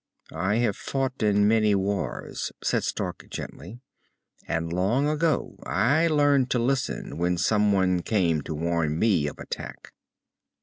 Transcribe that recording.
"I have fought in many wars," said Stark gently. "And long ago I learned to listen, when someone came to warn me of attack."